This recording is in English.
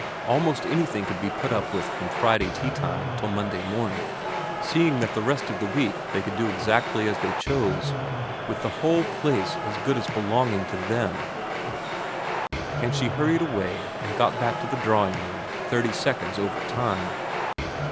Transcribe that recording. Almost anything could be put up with from Friday tea time till Monday morning, seeing that the rest of the week they could do exactly as they chose, with the whole place as good as belonging to them ; and she hurried away, and got back to the drawing room thirty seconds over time.